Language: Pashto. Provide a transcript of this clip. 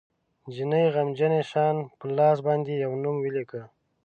جینۍ غمجنه شان په لاس باندې یو نوم ولیکه